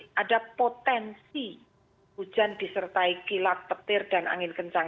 karena ada potensi hujan disertai kilat petir dan angin kencang